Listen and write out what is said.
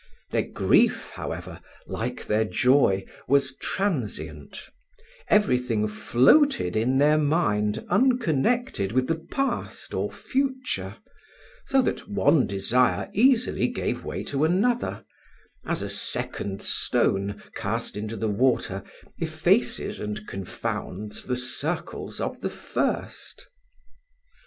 Their grief, however, like their joy, was transient; everything floated in their mind unconnected with the past or future, so that one desire easily gave way to another, as a second stone, cast into the water, effaces and confounds the circles of the first.